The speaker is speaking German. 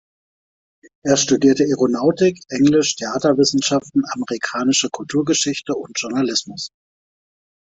Er studierte Aeronautik, Englisch, Theaterwissenschaften, Amerikanische Kulturgeschichte und Journalismus.